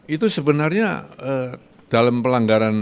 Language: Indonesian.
itu sebenarnya dalam pelanggaran